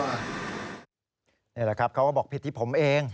นี่แหละครับเขาก็บอกผิดที่ผมเอง